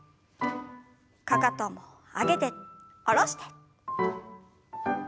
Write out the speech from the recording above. かかとも上げて下ろして。